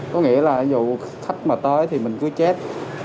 có nghĩa là dụ khách mà tới thì mình cứ chết